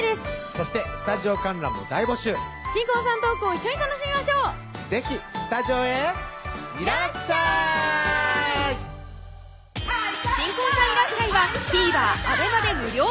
そしてスタジオ観覧も大募集新婚さんのトークを一緒に楽しみましょう是非スタジオへいらっしゃい新婚さんいらっしゃい！はＴＶｅｒ